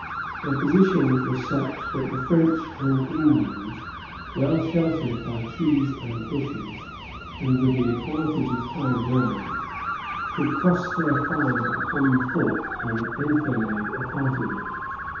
Their position was such that the French and Indians, well sheltered by trees and bushes, and with the advantage of higher ground, could cross their fire upon the fort and enfilade a part of it.